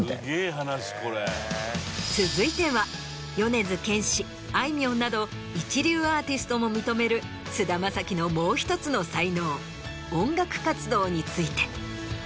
続いては米津玄師あいみょんなど一流アーティストも認める菅田将暉のもう１つの才能音楽活動について。